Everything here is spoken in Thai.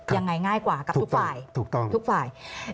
ยังไงง่ายกว่ากับทุกฝ่ายทุกฝ่ายค่ะถูกต้อง